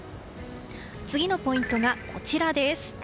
次のポイントが、こちらです。